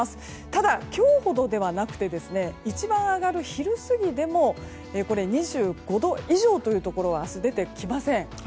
ただ今日ほどではなくて一番上がる昼過ぎでも２５度以上というところは明日、出てきません。